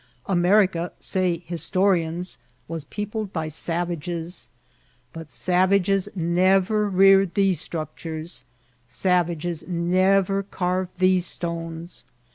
America, say historians, was peopled by savages ; but savages never reared these structures, savages never carved these stones.